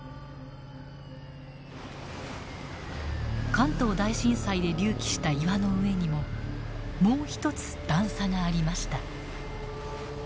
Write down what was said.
関東大震災で隆起した岩の上にももう一つ段差がありました。